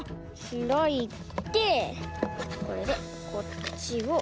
ひらいてこれでこっちを。